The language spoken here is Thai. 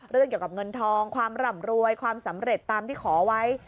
เรื่องเกี่ยวกับเงินทองความร่ำรวยความสำเร็จตามที่ขอไว้